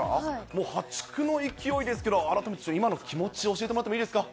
もう破竹の勢いですけど、改めて今の気持ちを教えてもらってもいいですか？